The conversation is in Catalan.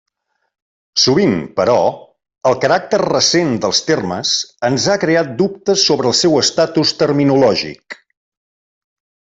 Sovint, però, el caràcter recent dels termes ens ha creat dubtes sobre el seu estatus terminològic.